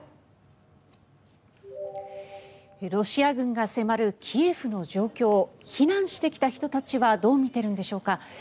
ロシア軍が迫るキエフの状況避難してきた人たちはどう見ているのでしょうか。